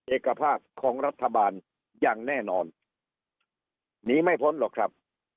เอกภาพของรัฐบาลอย่างแน่นอนหนีไม่พ้นหรอกครับ